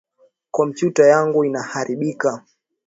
Kompyuta yangu inaaribika